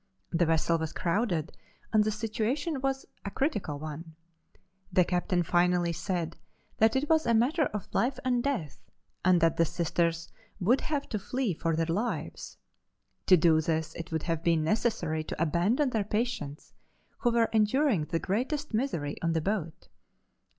The vessel was crowded and the situation was a critical one. The captain finally said that it was a matter of life and death and that the Sisters would have to flee for their lives. To do this it would have been necessary to abandon their patients, who were enduring the greatest misery on the boat.